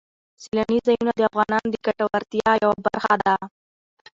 سیلاني ځایونه د افغانانو د ګټورتیا یوه برخه ده.